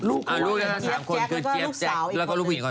ลูก๓คนคือเจี๊ยบแจ๊คแล้วก็ลูกสาวอีกคน